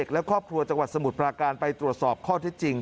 และครอบครัวจังหวัดสมุทรปราการไปตรวจสอบข้อที่จริง